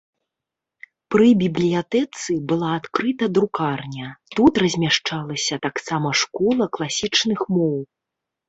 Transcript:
Пры бібліятэцы была адкрыта друкарня, тут размяшчалася таксама школа класічных моў.